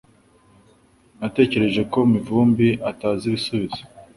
Natekereje ko Mivumbi atazi ibisubizo